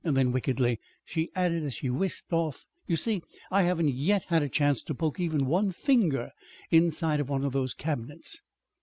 Then, wickedly, she added as she whisked off: "You see, I haven't yet had a chance to poke even one finger inside of one of those cabinets!"